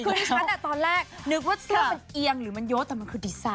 คือดิฉันตอนแรกนึกว่าเสื้อมันเอียงหรือมันโยดแต่มันคือดีไซน